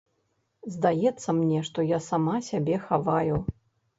Здаецца мне, што я сама сябе хаваю.